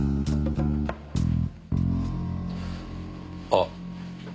あっ。